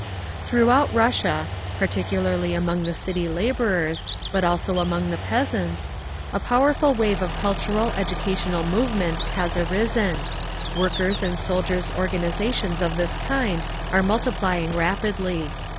Throughout Russia, particularly among the city labourers, but also among the peasants, a powerful wave of cultural educational movement has arisen; workers' and soldiers' organisations of this kind are multiplying rapidly.